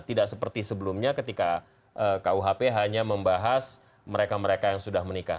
tidak seperti sebelumnya ketika kuhp hanya membahas mereka mereka yang sudah menikah